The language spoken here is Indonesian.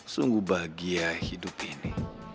sungguh bahagia hidup ini